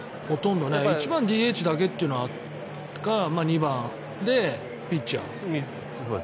１番ＤＨだけっていうか２番でピッチャー。